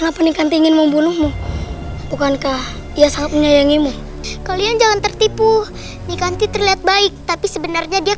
sampai jumpa di video selanjutnya